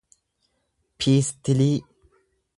piistilii